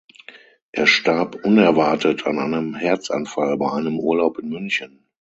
Er starb unerwartet an einem Herzanfall bei einem Urlaub in München.